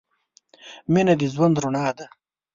مینه د ژوند رڼا ده.